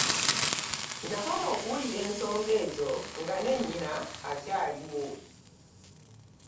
Nakoma okuwulira ensonga ezo nga ne nnyina akyaliwo.